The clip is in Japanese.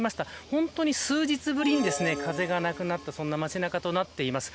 本当に数日ぶりに風がなくなった街中となっています。